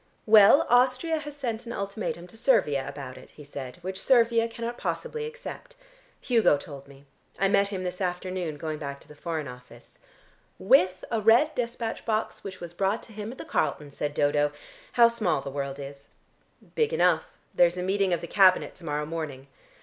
"Well, Austria has sent an ultimatum to Servia about it," he said, "which Servia cannot possibly accept. Hugo told me. I met him this afternoon going back to the Foreign Office." "With a red despatch box which was brought to him at the Carlton," said Dodo. "How small the world is." "Big enough. There's a meeting of the Cabinet to morrow morning."